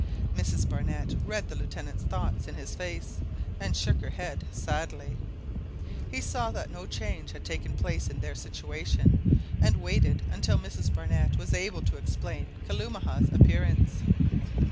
Mrs Barnett read the Lieutenant's thoughts in his face, and shook her head sadly. He saw that no change had taken place in their situation, and waited until Mrs Barnett was able to explain Kalumah's appearance.